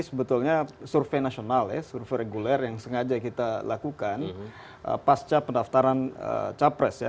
sebetulnya survei nasional ya survei reguler yang sengaja kita lakukan pasca pendaftaran capres ya